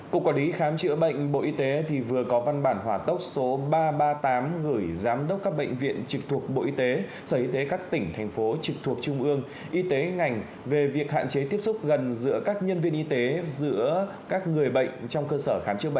cục quản lý khám chữa bệnh bộ y tế vừa có văn bản hòa tốc số ba trăm ba mươi tám